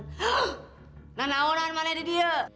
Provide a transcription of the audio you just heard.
kenang kenang mana dia